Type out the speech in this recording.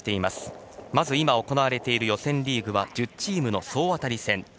まず今、行われている予選リーグは１０チームの総当たり戦。